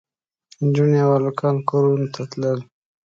نجونې او هلکان کورونو ته تلل.